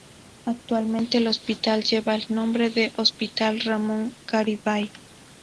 Actualmente el hospital lleva el nombre de "Hospital Ramón Garibay".